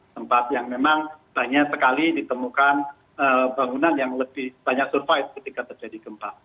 tempat yang memang banyak sekali ditemukan bangunan yang lebih banyak survive ketika terjadi gempa